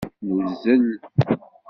Nuzzel.